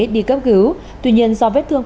đi cấp cứu tuy nhiên do vết thương